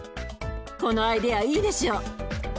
このアイデアいいでしょ？